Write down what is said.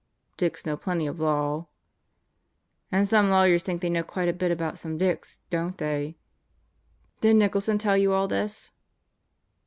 "Dicks know plenty of law. ..." "And some lawyers think they know quite a bit about some dicks, don't they? Did Nicholson tell you all this?"